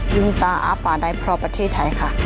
ลืมตาอ้าป่าได้เพราะประเทศไทยค่ะ